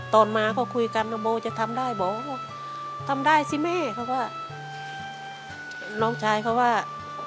ตอนมาเขาคุยกันนโมจะทำได้บอกว่าทำได้สิแม่เขาก็น้องชายเขาว่า